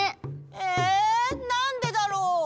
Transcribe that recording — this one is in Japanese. えなんでだろう？